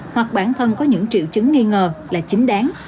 hoặc bản thân có những triệu chứng nghi ngờ là chính đáng